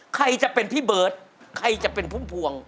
ใครจะเป็นพี่เบิร์ตใครจะเป็นพุ่มพวง